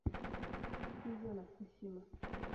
Tuzo na Heshima